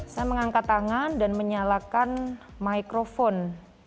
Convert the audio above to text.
saya mengangkat tangan dan menyalakan microphone